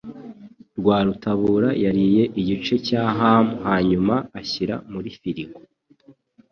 Rwarutabura yariye igice cya ham, hanyuma ashyira muri firigo.